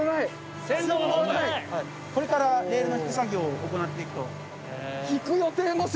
これからレールの敷く作業を行っていくと。